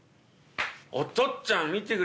お父っつぁん見てくれ。